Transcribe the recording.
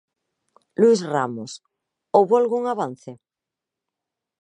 Luís Ramos, houbo algún avance?